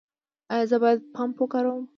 ایا زه باید پمپ وکاروم؟